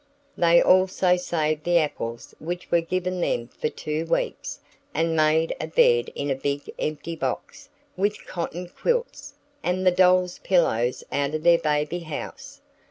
They also saved the apples which were given them for two weeks, and made a bed in a big empty box, with cotton quilts, and the dolls' pillows out of the baby house.